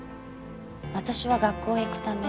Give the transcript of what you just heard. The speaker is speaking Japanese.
私は学校へ行くため。